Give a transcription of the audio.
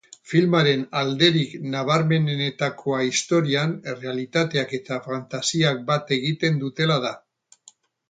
Filmaren alderik nabarmenenetakoa istorioan errealitateak eta fantasiak bat egiten dutela da.